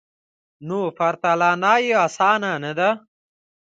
نو پرتلنه یې اسانه نه ده